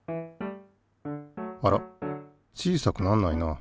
あら小さくなんないな。